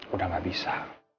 udah gak bisa